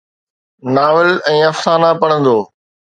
novel ۽ افسانا پڙهندو